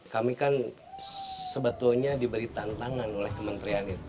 kami kan sebetulnya diberi tantangan oleh kementerian itu